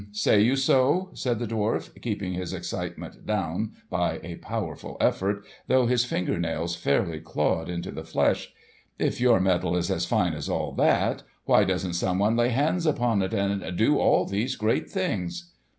"Hum! Say you so?" said the dwarf, keeping his excitement down by a powerful effort, though his finger nails fairly clawed into the flesh. "If your metal is as fine as all that, why doesn't someone lay hands upon it and do all these great things?"